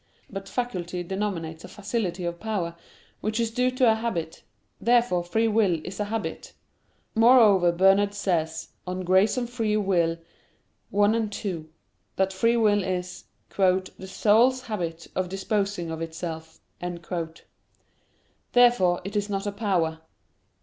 But faculty denominates a facility of power, which is due to a habit. Therefore free will is a habit. Moreover Bernard says (De Gratia et Lib. Arb. 1,2) that free will is "the soul's habit of disposing of itself." Therefore it is not a power.